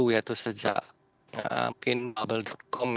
yaitu sejak mungkin bubble com